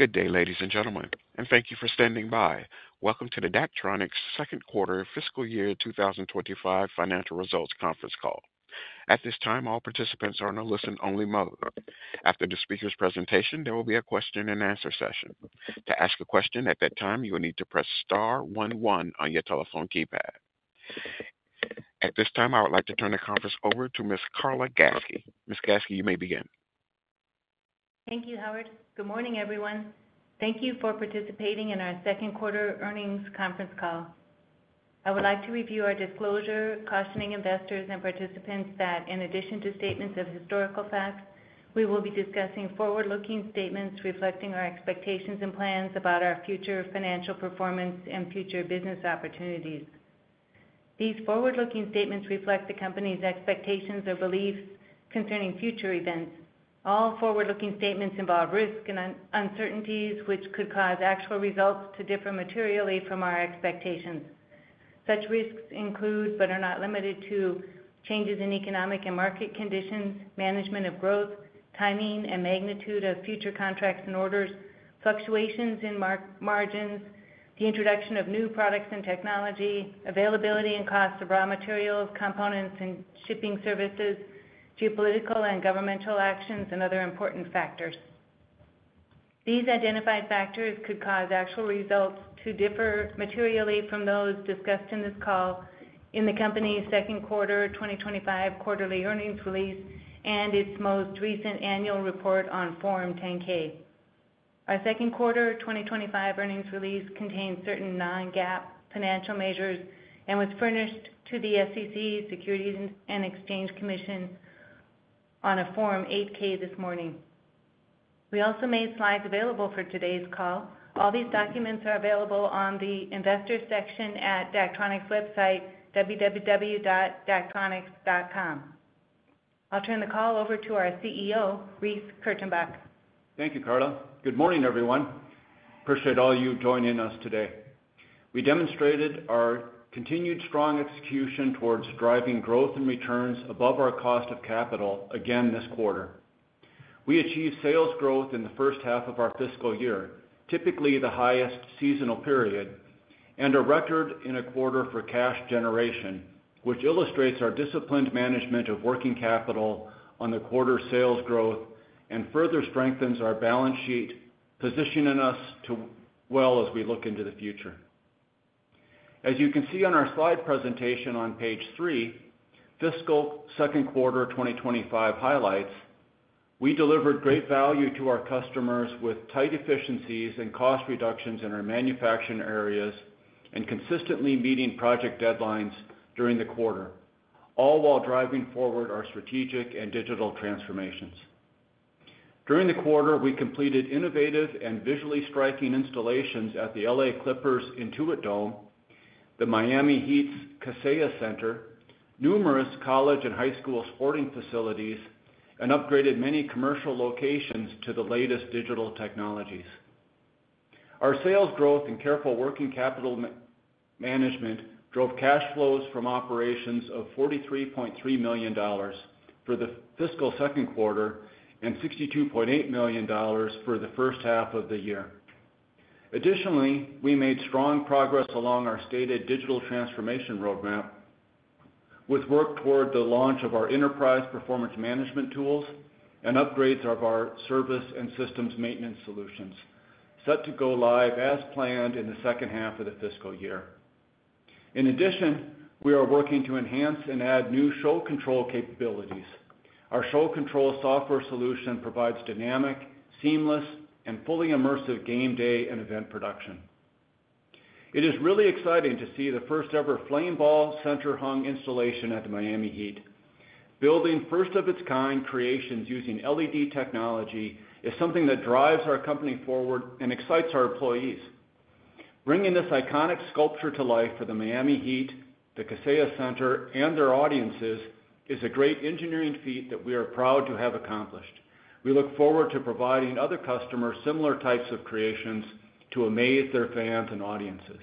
Good day, ladies and gentlemen, and thank you for standing by. Welcome to the Daktronics second quarter fiscal year 2025 financial results conference call. At this time, all participants are on a listen-only mode. After the speaker's presentation, there will be a question-and-answer session. To ask a question at that time, you will need to press star one one on your telephone keypad. At this time, I would like to turn the conference over to Ms. Carla Gatzke. Ms. Gatzke, you may begin. Thank you, Howard. Good morning, everyone. Thank you for participating in our second quarter earnings conference call. I would like to review our disclosure, cautioning investors and participants that, in addition to statements of historical facts, we will be discussing forward-looking statements reflecting our expectations and plans about our future financial performance and future business opportunities. These forward-looking statements reflect the company's expectations or beliefs concerning future events. All forward-looking statements involve risk and uncertainties, which could cause actual results to differ materially from our expectations. Such risks include, but are not limited to, changes in economic and market conditions, management of growth, timing and magnitude of future contracts and orders, fluctuations in margins, the introduction of new products and technology, availability and cost of raw materials, components and shipping services, geopolitical and governmental actions, and other important factors. These identified factors could cause actual results to differ materially from those discussed in this call in the company's second quarter 2025 quarterly earnings release and its most recent annual report on Form 10-K. Our second quarter 2025 earnings release contains certain non-GAAP financial measures and was furnished to the SEC, Securities and Exchange Commission, on a Form 8-K this morning. We also made slides available for today's call. All these documents are available on the investor section at Daktronics' website, www.daktronics.com. I'll turn the call over to our CEO, Reece Kurtenbach. Thank you, Carla. Good morning, everyone. Appreciate all you joining us today. We demonstrated our continued strong execution towards driving growth and returns above our cost of capital again this quarter. We achieved sales growth in the first half of our fiscal year, typically the highest seasonal period, and a record in a quarter for cash generation, which illustrates our disciplined management of working capital on the quarter's sales growth and further strengthens our balance sheet, positioning us well as we look into the future. As you can see on our slide presentation on page three, fiscal second quarter 2025 highlights, we delivered great value to our customers with tight efficiencies and cost reductions in our manufacturing areas and consistently meeting project deadlines during the quarter, all while driving forward our strategic and digital transformations. During the quarter, we completed innovative and visually striking installations at the L.A. Clippers Intuit Dome, the Miami Heat's Kaseya Center, numerous college and high school sporting facilities, and upgraded many commercial locations to the latest digital technologies. Our sales growth and careful working capital management drove cash flows from operations of $43.3 million for the fiscal second quarter and $62.8 million for the first half of the year. Additionally, we made strong progress along our stated digital transformation roadmap with work toward the launch of our Enterprise Performance Management tools and upgrades of our service and systems maintenance solutions, set to go live as planned in the second half of the fiscal year. In addition, we are working to enhance and add new Show Control capabilities. Our Show Control software solution provides dynamic, seamless, and fully immersive game day and event production. It is really exciting to see the first-ever Flame Ball Center Hung installation at the Miami Heat. Building first-of-its-kind creations using LED technology is something that drives our company forward and excites our employees. Bringing this iconic sculpture to life for the Miami Heat, the Kaseya Center, and their audiences is a great engineering feat that we are proud to have accomplished. We look forward to providing other customers similar types of creations to amaze their fans and audiences.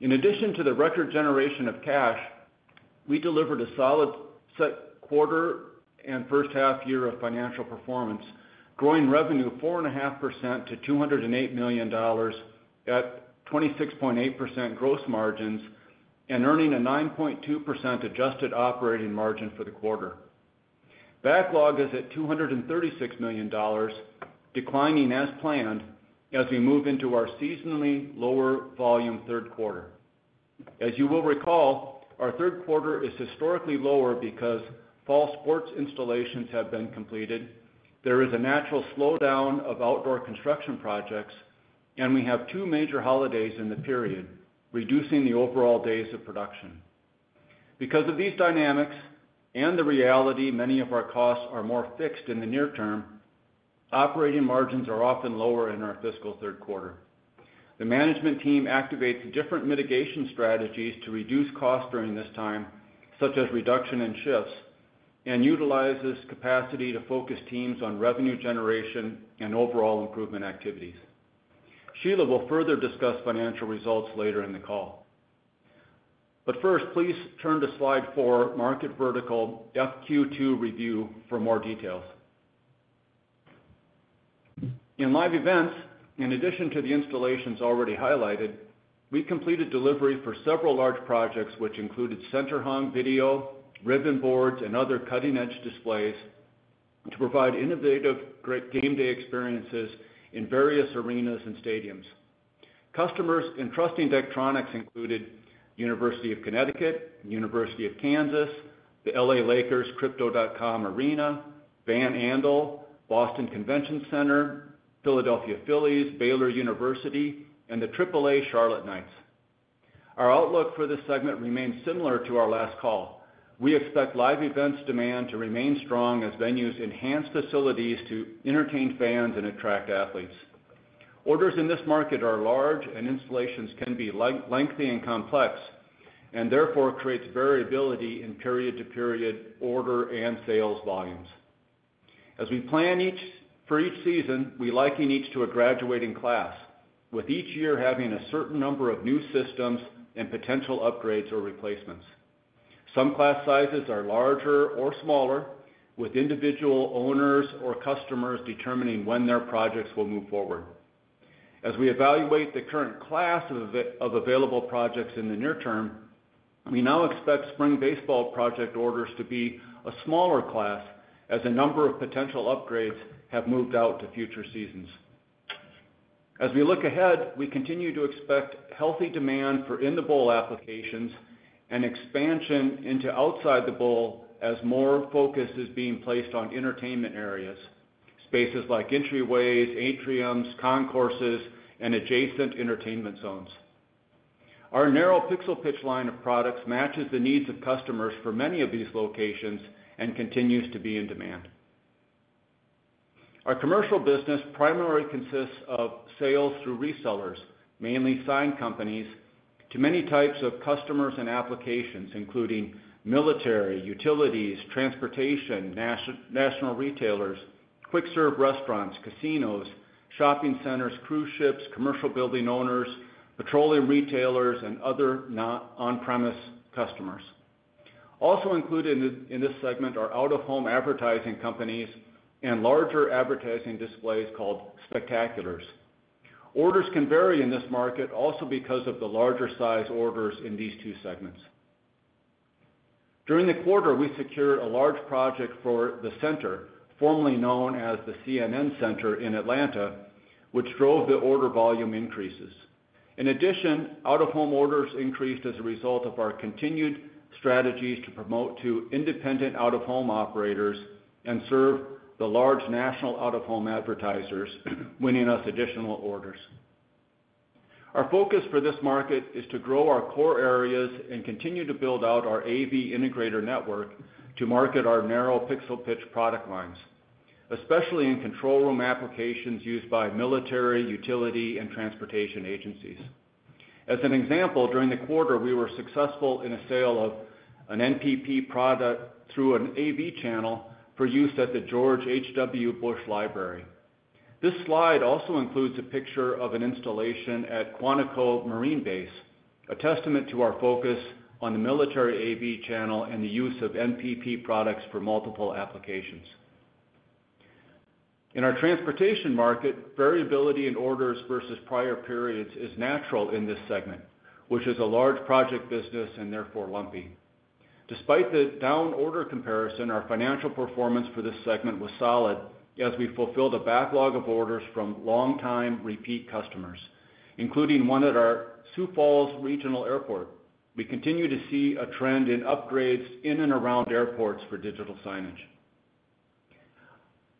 In addition to the record generation of cash, we delivered a solid quarter and first half year of financial performance, growing revenue 4.5% to $208 million at 26.8% gross margins and earning a 9.2% adjusted operating margin for the quarter. Backlog is at $236 million, declining as planned as we move into our seasonally lower volume third quarter. As you will recall, our third quarter is historically lower because fall sports installations have been completed. There is a natural slowdown of outdoor construction projects, and we have two major holidays in the period, reducing the overall days of production. Because of these dynamics and the reality many of our costs are more fixed in the near term, operating margins are often lower in our fiscal third quarter. The management team activates different mitigation strategies to reduce costs during this time, such as reduction in shifts, and utilizes capacity to focus teams on revenue generation and overall improvement activities. Sheila will further discuss financial results later in the call. But first, please turn to slide four, Market Vertical FQ2 review for more details. In live events, in addition to the installations already highlighted, we completed delivery for several large projects, which included center-hung video, ribbon boards, and other cutting-edge displays to provide innovative game day experiences in various arenas and stadiums. Customers entrusting Daktronics included University of Connecticut, University of Kansas, the L.A. Lakers, Crypto.com Arena, Van Andel, Boston Convention Center, Philadelphia Phillies, Baylor University, and the AAA Charlotte Knights. Our outlook for this segment remains similar to our last call. We expect live events demand to remain strong as venues enhance facilities to entertain fans and attract athletes. Orders in this market are large, and installations can be lengthy and complex, and therefore creates variability in period-to-period order and sales volumes. As we plan for each season, we liken each to a graduating class, with each year having a certain number of new systems and potential upgrades or replacements. Some class sizes are larger or smaller, with individual owners or customers determining when their projects will move forward. As we evaluate the current class of available projects in the near term, we now expect spring baseball project orders to be a smaller class as a number of potential upgrades have moved out to future seasons. As we look ahead, we continue to expect healthy demand for in-the-bowl applications and expansion into outside the bowl as more focus is being placed on entertainment areas, spaces like entryways, atriums, concourses, and adjacent entertainment zones. Our narrow pixel pitch line of products matches the needs of customers for many of these locations and continues to be in demand. Our commercial business primarily consists of sales through resellers, mainly sign companies, to many types of customers and applications, including military, utilities, transportation, national retailers, quick-serve restaurants, casinos, shopping centers, cruise ships, commercial building owners, petroleum retailers, and other non-on-premise customers. Also included in this segment are out-of-home advertising companies and larger advertising displays called spectaculars. Orders can vary in this market also because of the larger size orders in these two segments. During the quarter, we secured a large project for The Center, formerly known as the CNN Center in Atlanta, which drove the order volume increases. In addition, out-of-home orders increased as a result of our continued strategies to promote to independent out-of-home operators and serve the large national out-of-home advertisers, winning us additional orders. Our focus for this market is to grow our core areas and continue to build out our AV integrator network to market our narrow pixel pitch product lines, especially in control room applications used by military, utility, and transportation agencies. As an example, during the quarter, we were successful in a sale of an NPP product through an AV channel for use at the George H.W. Bush Library. This slide also includes a picture of an installation at Quantico Marine Corps Base, a testament to our focus on the military AV channel and the use of NPP products for multiple applications. In our transportation market, variability in orders versus prior periods is natural in this segment, which is a large project business and therefore lumpy. Despite the down order comparison, our financial performance for this segment was solid as we fulfilled a backlog of orders from long-time repeat customers, including one at our Sioux Falls Regional Airport. We continue to see a trend in upgrades in and around airports for digital signage.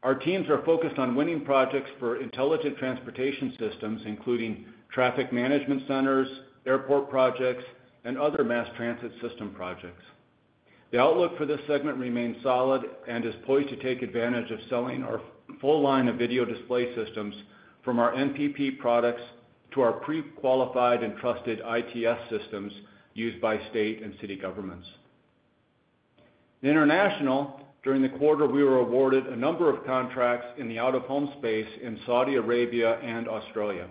Our teams are focused on winning projects for intelligent transportation systems, including traffic management centers, airport projects, and other mass transit system projects. The outlook for this segment remains solid and is poised to take advantage of selling our full line of video display systems from our NPP products to our pre-qualified and trusted ITS systems used by state and city governments. International. During the quarter, we were awarded a number of contracts in the out-of-home space in Saudi Arabia and Australia.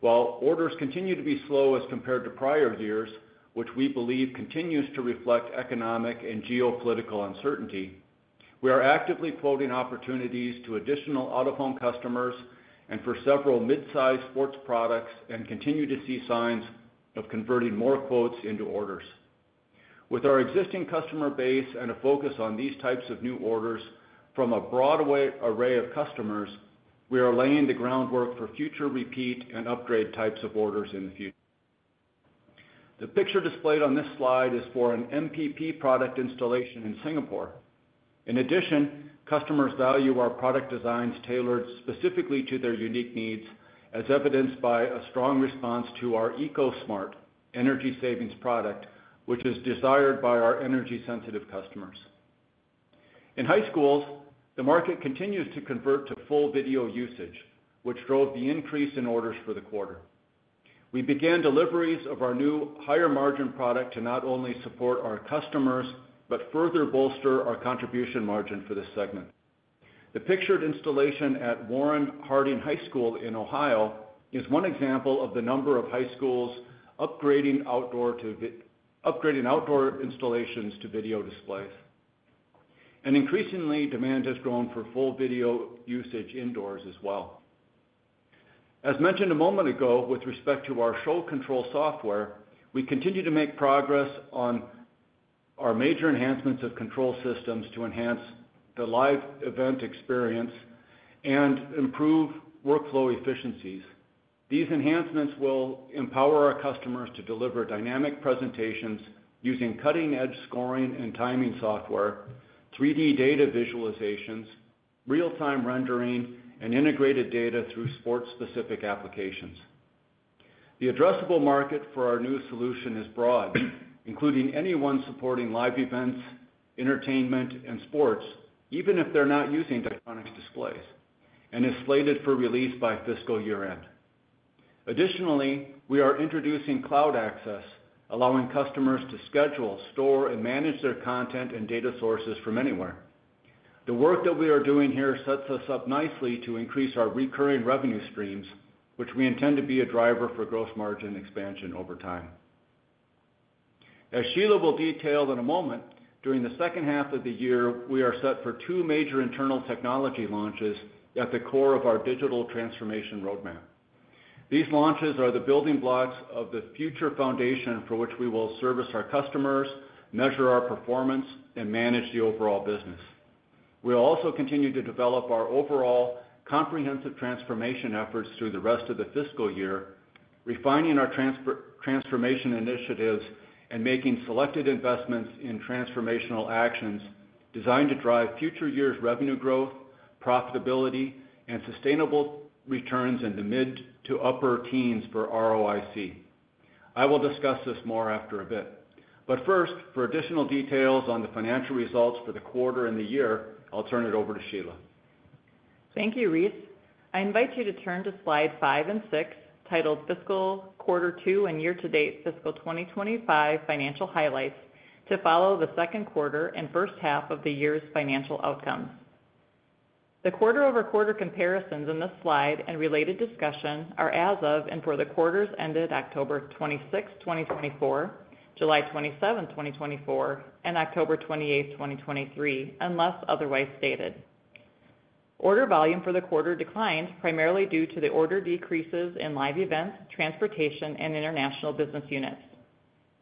While orders continue to be slow as compared to prior years, which we believe continues to reflect economic and geopolitical uncertainty, we are actively quoting opportunities to additional out-of-home customers and for several mid-size sports products and continue to see signs of converting more quotes into orders. With our existing customer base and a focus on these types of new orders from a broad array of customers, we are laying the groundwork for future repeat and upgrade types of orders in the future. The picture displayed on this slide is for an NPP product installation in Singapore. In addition, customers value our product designs tailored specifically to their unique needs, as evidenced by a strong response to our EcoSmart energy savings product, which is desired by our energy-sensitive customers. In high schools, the market continues to convert to full video usage, which drove the increase in orders for the quarter. We began deliveries of our new higher margin product to not only support our customers, but further bolster our contribution margin for this segment. The pictured installation at Warren G. Harding High School in Ohio is one example of the number of high schools upgrading outdoor installations to video displays, and increasingly, demand has grown for full video usage indoors as well. As mentioned a moment ago, with respect to our Show Control software, we continue to make progress on our major enhancements of control systems to enhance the live event experience and improve workflow efficiencies. These enhancements will empower our customers to deliver dynamic presentations using cutting-edge scoring and timing software, 3D data visualizations, real-time rendering, and integrated data through sports-specific applications. The addressable market for our new solution is broad, including anyone supporting live events, entertainment, and sports, even if they're not using Daktronics displays, and is slated for release by fiscal year-end. Additionally, we are introducing cloud access, allowing customers to schedule, store, and manage their content and data sources from anywhere. The work that we are doing here sets us up nicely to increase our recurring revenue streams, which we intend to be a driver for gross margin expansion over time. As Sheila will detail in a moment, during the second half of the year, we are set for two major internal technology launches at the core of our digital transformation roadmap. These launches are the building blocks of the future foundation for which we will service our customers, measure our performance, and manage the overall business. We'll also continue to develop our overall comprehensive transformation efforts through the rest of the fiscal year, refining our transformation initiatives and making selected investments in transformational actions designed to drive future years' revenue growth, profitability, and sustainable returns in the mid to upper teens for ROIC. I will discuss this more after a bit. But first, for additional details on the financial results for the quarter and the year, I'll turn it over to Sheila. Thank you, Reece. I invite you to turn to slide five and six titled Fiscal Quarter Two and Year-to-Date Fiscal 2025 Financial Highlights to follow the second quarter and first half of the year's financial outcomes. The quarter-over-quarter comparisons in this slide and related discussion are as of and for the quarters ended October 26, 2024, July 27, 2024, and October 28, 2023, unless otherwise stated. Order volume for the quarter declined primarily due to the order decreases in live events, transportation, and international business units.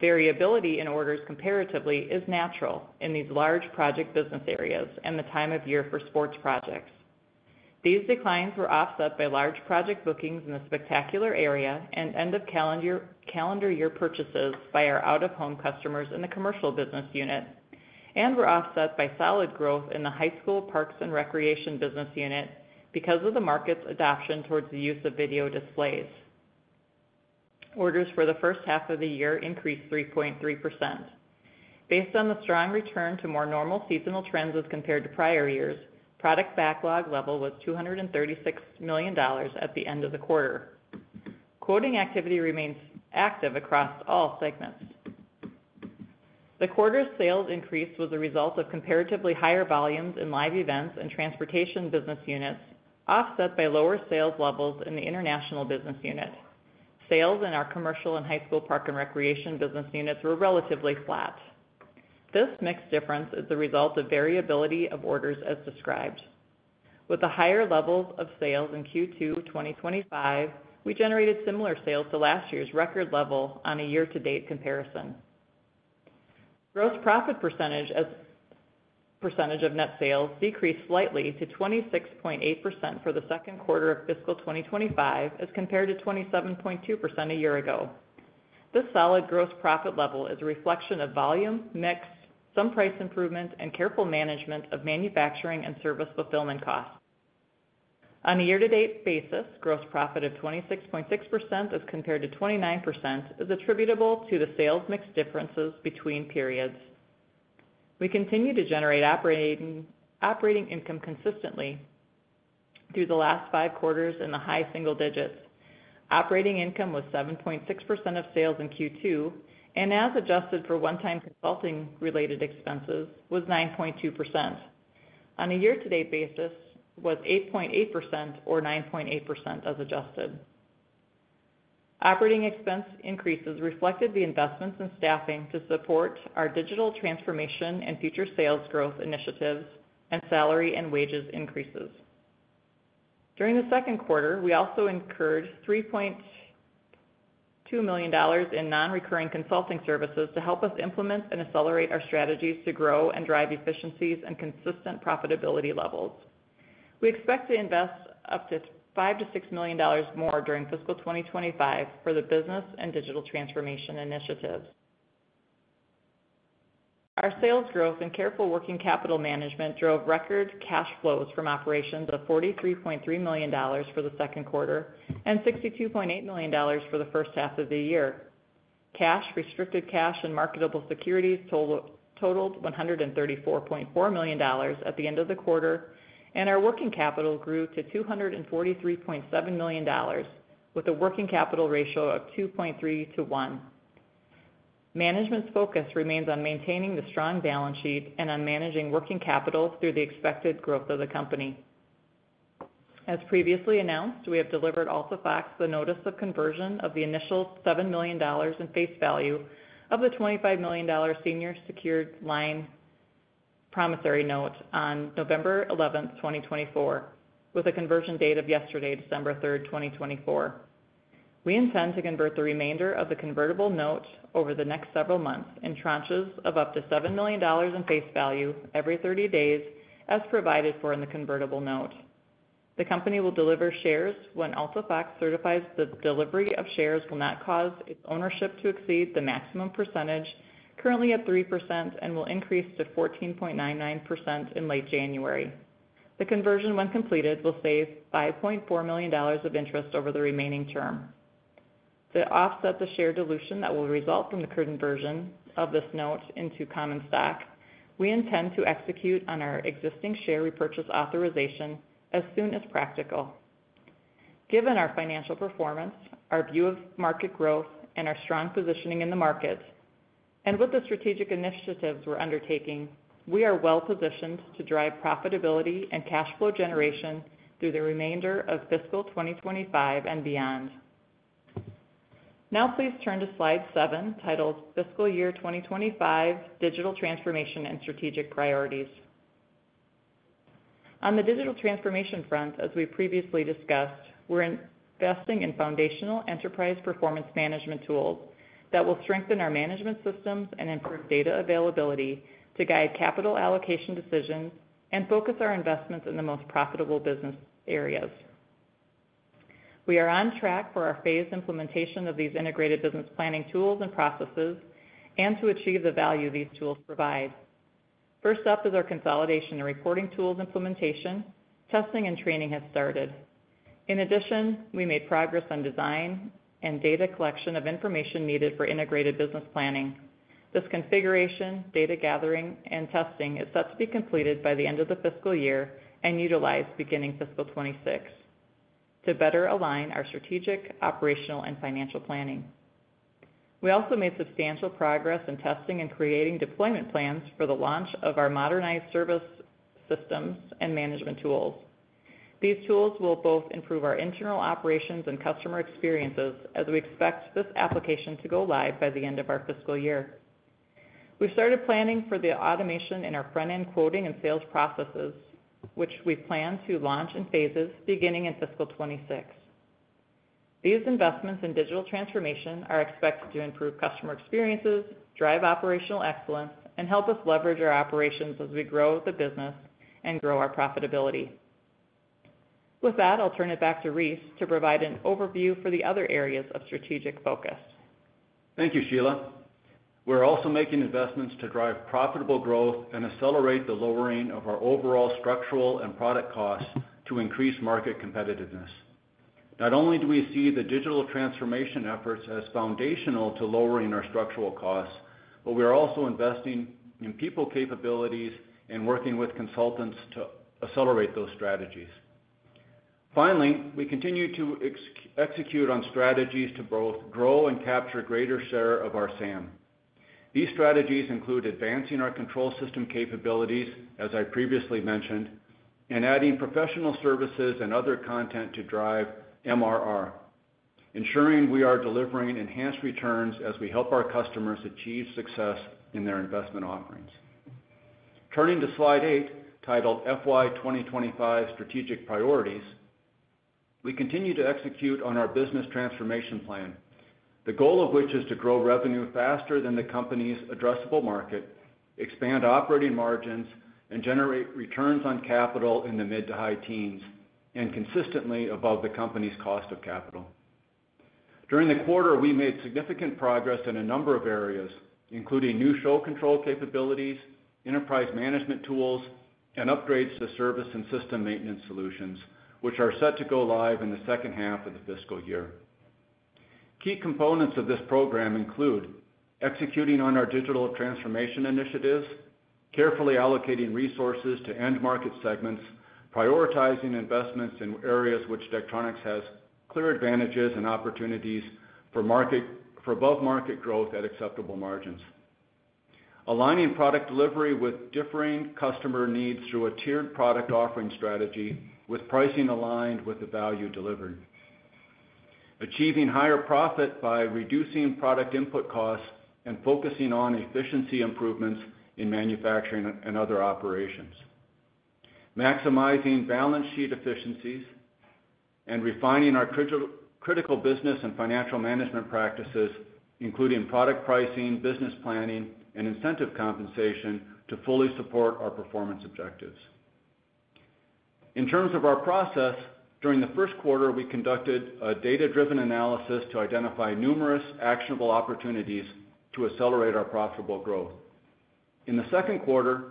Variability in orders comparatively is natural in these large project business areas and the time of year for sports projects. These declines were offset by large project bookings in the spectacular area and end-of-calendar year purchases by our out-of-home customers in the commercial business unit, and were offset by solid growth in the high school parks and recreation business unit because of the market's adoption towards the use of video displays. Orders for the first half of the year increased 3.3%. Based on the strong return to more normal seasonal trends as compared to prior years, product backlog level was $236 million at the end of the quarter. Quoting activity remains active across all segments. The quarter's sales increase was a result of comparatively higher volumes in live events and transportation business units, offset by lower sales levels in the international business unit. Sales in our commercial and high school park and recreation business units were relatively flat. This mixed difference is the result of variability of orders as described. With the higher levels of sales in Q2 2025, we generated similar sales to last year's record level on a year-to-date comparison. Gross profit percentage as percentage of net sales decreased slightly to 26.8% for the second quarter of fiscal 2025 as compared to 27.2% a year ago. This solid gross profit level is a reflection of volume, mix, some price improvement, and careful management of manufacturing and service fulfillment costs. On a year-to-date basis, gross profit of 26.6% as compared to 29% is attributable to the sales mix differences between periods. We continue to generate operating income consistently through the last five quarters in the high single digits. Operating income was 7.6% of sales in Q2, and as adjusted for one-time consulting-related expenses, was 9.2%. On a year-to-date basis, was 8.8% or 9.8% as adjusted. Operating expense increases reflected the investments in staffing to support our digital transformation and future sales growth initiatives and salary and wages increases. During the second quarter, we also incurred $3.2 million in non-recurring consulting services to help us implement and accelerate our strategies to grow and drive efficiencies and consistent profitability levels. We expect to invest up to $5 million-$6 million more during fiscal 2025 for the business and digital transformation initiatives. Our sales growth and careful working capital management drove record cash flows from operations of $43.3 million for the second quarter and $62.8 million for the first half of the year. Cash, restricted cash, and marketable securities totaled $134.4 million at the end of the quarter, and our working capital grew to $243.7 million with a working capital ratio of 2.3 to 1. Management's focus remains on maintaining the strong balance sheet and on managing working capital through the expected growth of the company. As previously announced, we have delivered Alta Fox the notice of conversion of the initial $7 million in face value of the $25 million senior secured line promissory note on November 11, 2024, with a conversion date of yesterday, December 3, 2024. We intend to convert the remainder of the convertible note over the next several months in tranches of up to $7 million in face value every 30 days as provided for in the convertible note. The company will deliver shares when Alta Fox certifies the delivery of shares will not cause its ownership to exceed the maximum percentage currently at 3% and will increase to 14.99% in late January. The conversion, when completed, will save $5.4 million of interest over the remaining term. To offset the share dilution that will result from the conversion of this note into common stock, we intend to execute on our existing share repurchase authorization as soon as practical. Given our financial performance, our view of market growth, and our strong positioning in the market, and with the strategic initiatives we're undertaking, we are well positioned to drive profitability and cash flow generation through the remainder of fiscal 2025 and beyond. Now, please turn to slide seven titled Fiscal Year 2025 Digital Transformation and Strategic Priorities. On the digital transformation front, as we previously discussed, we're investing in foundational enterprise performance management tools that will strengthen our management systems and improve data availability to guide capital allocation decisions and focus our investments in the most profitable business areas. We are on track for our phased implementation of these integrated business planning tools and processes and to achieve the value these tools provide. First up is our consolidation and reporting tools implementation. Testing and training has started. In addition, we made progress on design and data collection of information needed for integrated business planning. This configuration, data gathering, and testing is set to be completed by the end of the fiscal year and utilized beginning fiscal 2026 to better align our strategic, operational, and financial planning. We also made substantial progress in testing and creating deployment plans for the launch of our modernized service systems and management tools. These tools will both improve our internal operations and customer experiences as we expect this application to go live by the end of our fiscal year. We've started planning for the automation in our front-end quoting and sales processes, which we plan to launch in phases beginning in fiscal 2026. These investments in digital transformation are expected to improve customer experiences, drive operational excellence, and help us leverage our operations as we grow the business and grow our profitability. With that, I'll turn it back to Reece to provide an overview for the other areas of strategic focus. Thank you, Sheila. We're also making investments to drive profitable growth and accelerate the lowering of our overall structural and product costs to increase market competitiveness. Not only do we see the digital transformation efforts as foundational to lowering our structural costs, but we are also investing in people capabilities and working with consultants to accelerate those strategies. Finally, we continue to execute on strategies to both grow and capture a greater share of our SAM. These strategies include advancing our control system capabilities, as I previously mentioned, and adding professional services and other content to drive MRR, ensuring we are delivering enhanced returns as we help our customers achieve success in their investment offerings. Turning to slide eight titled FY 2025 Strategic Priorities, we continue to execute on our business transformation plan, the goal of which is to grow revenue faster than the company's addressable market, expand operating margins, and generate returns on capital in the mid to high teens and consistently above the company's cost of capital. During the quarter, we made significant progress in a number of areas, including new show control capabilities, enterprise management tools, and upgrades to service and system maintenance solutions, which are set to go live in the second half of the fiscal year. Key components of this program include executing on our digital transformation initiatives, carefully allocating resources to end market segments, prioritizing investments in areas which Daktronics has clear advantages and opportunities for both market growth at acceptable margins, aligning product delivery with differing customer needs through a tiered product offering strategy with pricing aligned with the value delivered, achieving higher profit by reducing product input costs and focusing on efficiency improvements in manufacturing and other operations, maximizing balance sheet efficiencies, and refining our critical business and financial management practices, including product pricing, business planning, and incentive compensation to fully support our performance objectives. In terms of our process, during the first quarter, we conducted a data-driven analysis to identify numerous actionable opportunities to accelerate our profitable growth. In the second quarter,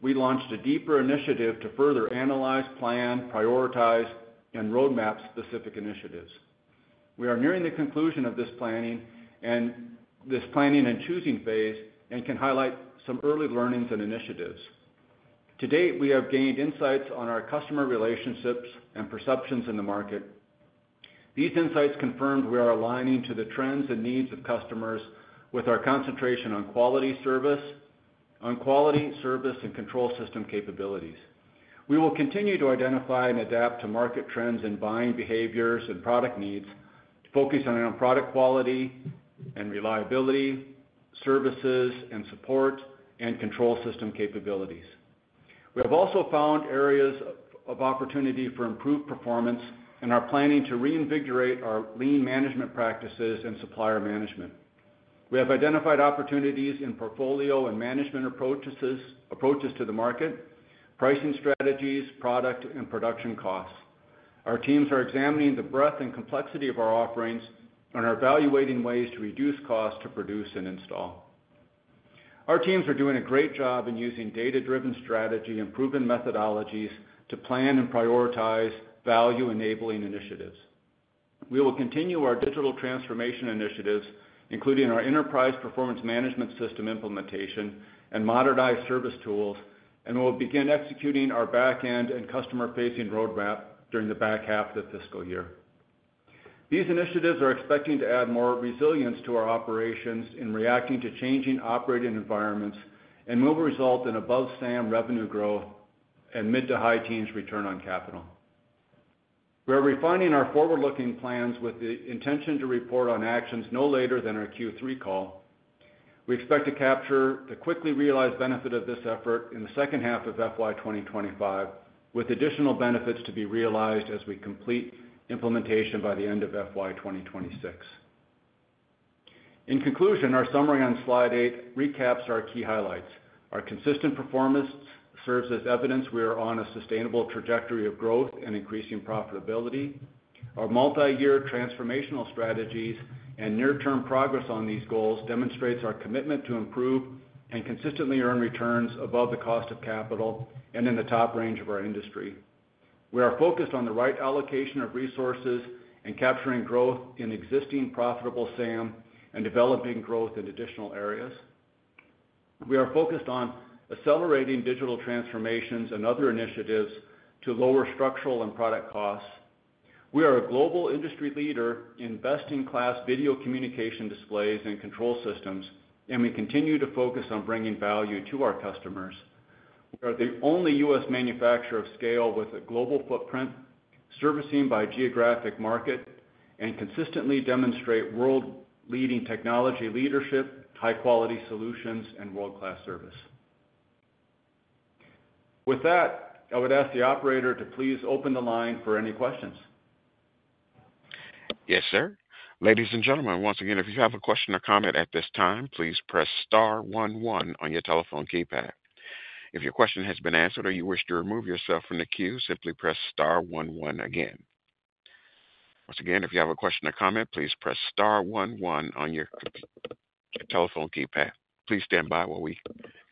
we launched a deeper initiative to further analyze, plan, prioritize, and roadmap specific initiatives. We are nearing the conclusion of this planning and choosing phase and can highlight some early learnings and initiatives. To date, we have gained insights on our customer relationships and perceptions in the market. These insights confirmed we are aligning to the trends and needs of customers with our concentration on quality service and control system capabilities. We will continue to identify and adapt to market trends in buying behaviors and product needs to focus on product quality and reliability, services and support, and control system capabilities. We have also found areas of opportunity for improved performance and are planning to reinvigorate our lean management practices and supplier management. We have identified opportunities in portfolio and management approaches to the market, pricing strategies, product, and production costs. Our teams are examining the breadth and complexity of our offerings and are evaluating ways to reduce costs to produce and install. Our teams are doing a great job in using data-driven strategy and proven methodologies to plan and prioritize value-enabling initiatives. We will continue our digital transformation initiatives, including our enterprise performance management system implementation and modernized service tools, and we'll begin executing our back-end and customer-facing roadmap during the back half of the fiscal year. These initiatives are expecting to add more resilience to our operations in reacting to changing operating environments and will result in above SAM revenue growth and mid to high teens return on capital. We are refining our forward-looking plans with the intention to report on actions no later than our Q3 call. We expect to capture the quickly realized benefit of this effort in the second half of FY 2025, with additional benefits to be realized as we complete implementation by the end of FY 2026. In conclusion, our summary on slide eight recaps our key highlights. Our consistent performance serves as evidence we are on a sustainable trajectory of growth and increasing profitability. Our multi-year transformational strategies and near-term progress on these goals demonstrate our commitment to improve and consistently earn returns above the cost of capital and in the top range of our industry. We are focused on the right allocation of resources and capturing growth in existing profitable SAM and developing growth in additional areas. We are focused on accelerating digital transformations and other initiatives to lower structural and product costs. We are a global industry leader in best-in-class video communication displays and control systems, and we continue to focus on bringing value to our customers. We are the only U.S. manufacturer of scale with a global footprint servicing by geographic market and consistently demonstrate world-leading technology leadership, high-quality solutions, and world-class service. With that, I would ask the operator to please open the line for any questions. Yes, sir. Ladies and gentlemen, once again, if you have a question or comment at this time, please press star 11 on your telephone keypad. If your question has been answered or you wish to remove yourself from the queue, simply press star 11 again. Once again, if you have a question or comment, please press star 11 on your telephone keypad. Please stand by while we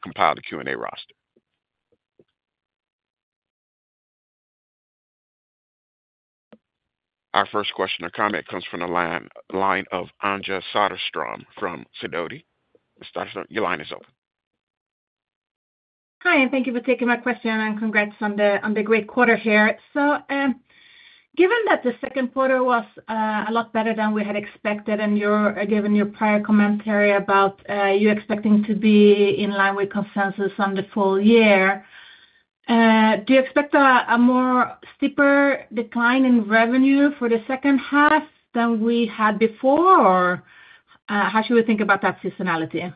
compile the Q&A roster. Our first question or comment comes from the line of Anja Soderstrom from Sidoti. Ms. Soderstrom, your line is open. Hi, and thank you for taking my question and congrats on the great quarter here. So given that the second quarter was a lot better than we had expected, and given your prior commentary about you expecting to be in line with consensus on the full year, do you expect a more steeper decline in revenue for the second half than we had before, or how should we think about that seasonality?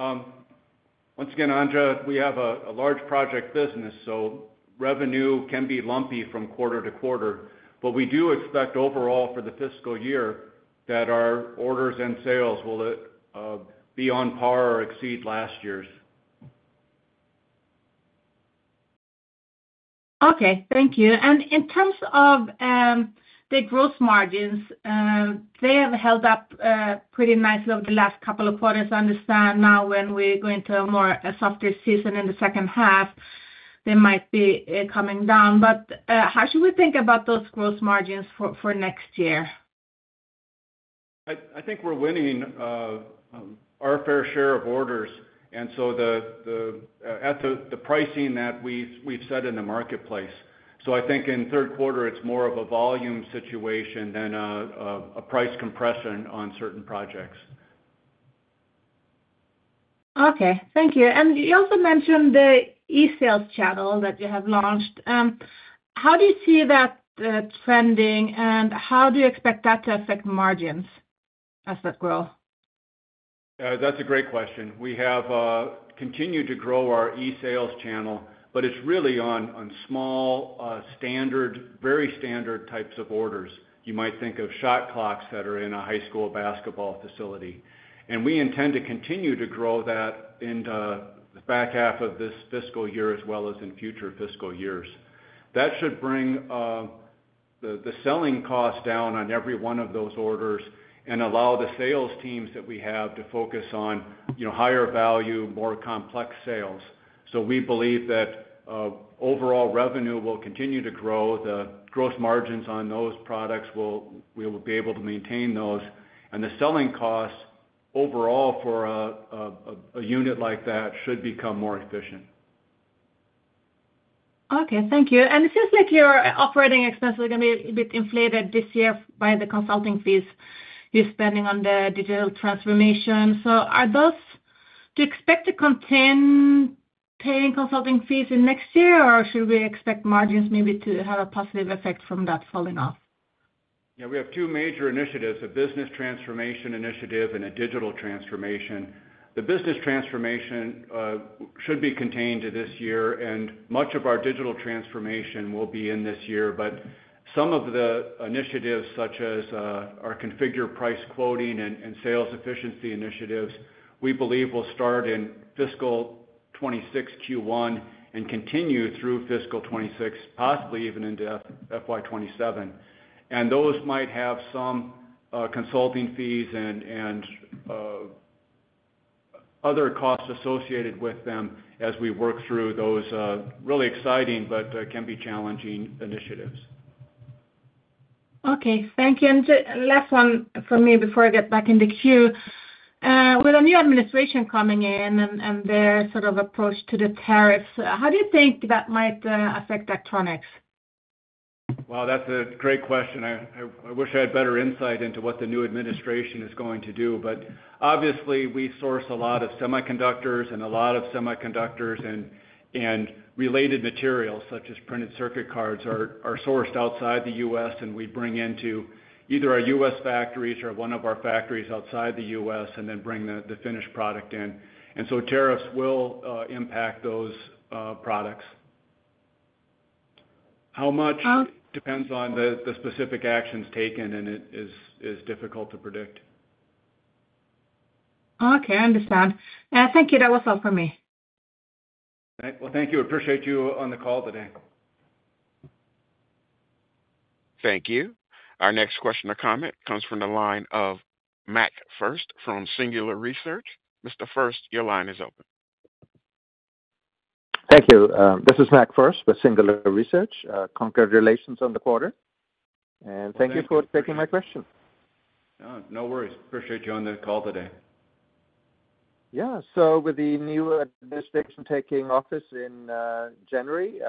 Once again, Anja, we have a large project business, so revenue can be lumpy from quarter to quarter, but we do expect overall for the fiscal year that our orders and sales will be on par or exceed last year's. Okay. Thank you. And in terms of the gross margins, they have held up pretty nicely over the last couple of quarters. I understand now when we're going to a more softer season in the second half, they might be coming down. But how should we think about those gross margins for next year? I think we're winning our fair share of orders, and so at the pricing that we've set in the marketplace. So I think in third quarter, it's more of a volume situation than a price compression on certain projects. Okay. Thank you. And you also mentioned the e-sales channel that you have launched. How do you see that trending, and how do you expect that to affect margins as that grow? That's a great question. We have continued to grow our e-sales channel, but it's really on small, standard, very standard types of orders. You might think of shot clocks that are in a high school basketball facility. And we intend to continue to grow that in the back half of this fiscal year as well as in future fiscal years. That should bring the selling cost down on every one of those orders and allow the sales teams that we have to focus on higher value, more complex sales. So we believe that overall revenue will continue to grow. The gross margins on those products, we will be able to maintain those. And the selling cost overall for a unit like that should become more efficient. Okay. Thank you. And it seems like your operating expenses are going to be a bit inflated this year by the consulting fees you're spending on the digital transformation. Do you expect to continue paying consulting fees next year, or should we expect margins maybe to have a positive effect from that falling off? Yeah. We have two major initiatives: a business transformation initiative and a digital transformation. The business transformation should be contained to this year, and much of our digital transformation will be in this year. But some of the initiatives, such as our configure price quoting and sales efficiency initiatives, we believe will start in fiscal 2026 Q1 and continue through fiscal 2026, possibly even into FY 2027. And those might have some consulting fees and other costs associated with them as we work through those really exciting but can be challenging initiatives. Okay. Thank you. And last one for me before I get back in the queue. With a new administration coming in and their sort of approach to the tariffs, how do you think that might affect Daktronics? That's a great question. I wish I had better insight into what the new administration is going to do. But obviously, we source a lot of semiconductors and related materials such as printed circuit cards are sourced outside the U.S., and we bring into either our U.S. factories or one of our factories outside the U.S. and then bring the finished product in. And so tariffs will impact those products. How much depends on the specific actions taken, and it is difficult to predict. Okay. I understand. Thank you. That was all for me. Thank you. Appreciate you on the call today. Thank you. Our next question or comment comes from the line of Mac Furst from Singular Research. Mr. First, your line is open. Thank you. This is Mac Furst with Singular Research. Comments regarding the quarter, and thank you for taking my question. No worries. Appreciate you on the call today. Yeah, so with the new administration taking office in January,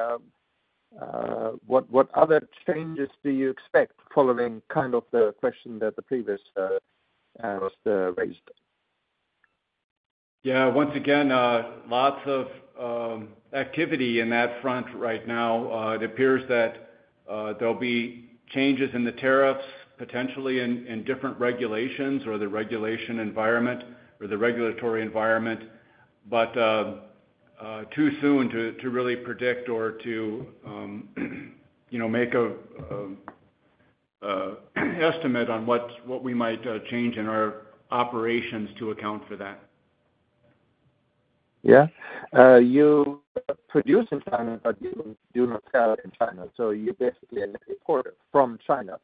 what other changes do you expect following kind of the question that the previous was raised? Yeah. Once again, lots of activity in that front right now. It appears that there'll be changes in the tariffs, potentially in different regulations or the regulation environment or the regulatory environment, but too soon to really predict or to make an estimate on what we might change in our operations to account for that. Yeah. You produce in China, but you do not sell in China. So you basically import from China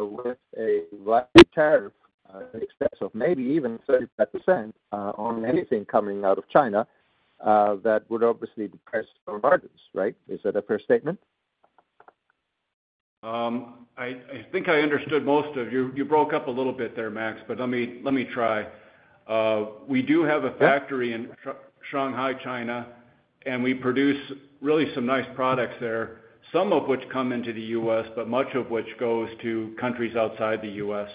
with a large tariff in excess of maybe even 35% on anything coming out of China that would obviously depress our margins, right? Is that a fair statement? I think I understood most of you. You broke up a little bit there, Max, but let me try. We do have a factory in Shanghai, China, and we produce really some nice products there, some of which come into the U.S., but much of which goes to countries outside the U.S.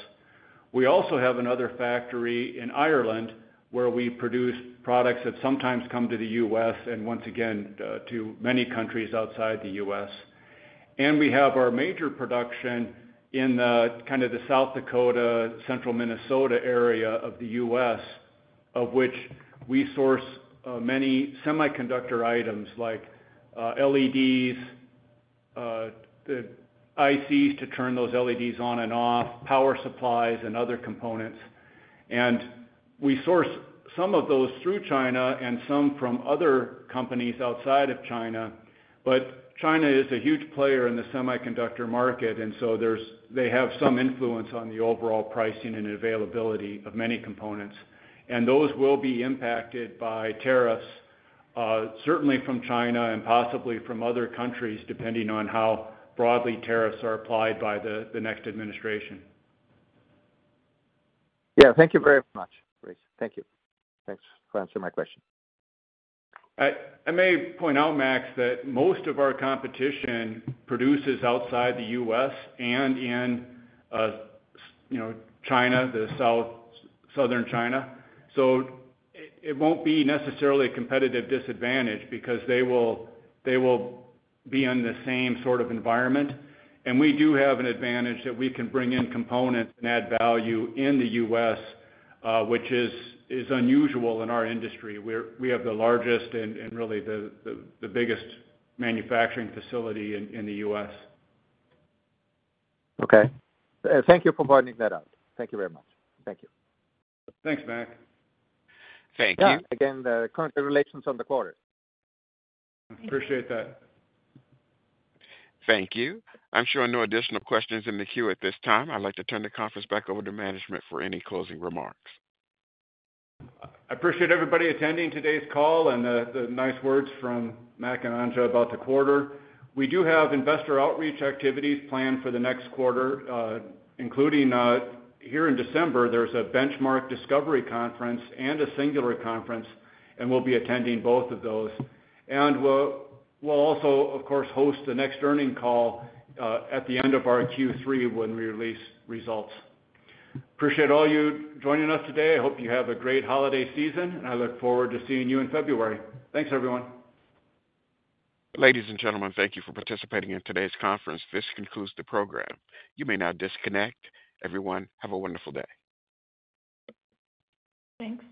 We also have another factory in Ireland where we produce products that sometimes come to the U.S. and once again to many countries outside the U.S. We have our major production in kind of the South Dakota, Central Minnesota area of the U.S., of which we source many semiconductor items like LEDs, the ICs to turn those LEDs on and off, power supplies, and other components. We source some of those through China and some from other companies outside of China. China is a huge player in the semiconductor market, and so they have some influence on the overall pricing and availability of many components. Those will be impacted by tariffs, certainly from China and possibly from other countries, depending on how broadly tariffs are applied by the next administration. Yeah. Thank you very much, Reece. Thank you. Thanks for answering my question. I may point out, Mac, that most of our competition produces outside the U.S. and in China, the southern China. So it won't be necessarily a competitive disadvantage because they will be in the same sort of environment. And we do have an advantage that we can bring in components and add value in the U.S., which is unusual in our industry. We have the largest and really the biggest manufacturing facility in the U.S. Okay. Thank you for pointing that out. Thank you very much. Thank you. Thanks, Mac. Thank you. Again, the investor relations on the quarter. Appreciate that. Thank you. I'm sure no additional questions in the queue at this time. I'd like to turn the conference back over to management for any closing remarks. I appreciate everybody attending today's call and the nice words from Mac and Anja about the quarter. We do have investor outreach activities planned for the next quarter, including here in December. There's a Benchmark Discovery Conference and a Singular Conference, and we'll be attending both of those, and we'll also, of course, host the next earnings call at the end of our Q3 when we release results. Appreciate all you joining us today. I hope you have a great holiday season, and I look forward to seeing you in February. Thanks, everyone. Ladies and gentlemen, thank you for participating in today's conference. This concludes the program. You may now disconnect. Everyone, have a wonderful day. Thanks.